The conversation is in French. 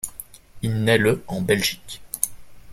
Il naît le en Belgique.